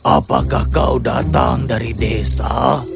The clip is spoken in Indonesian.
apakah kau datang dari desa